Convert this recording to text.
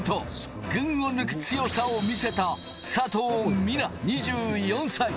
群を抜く強さを見せた佐藤水菜、２４歳。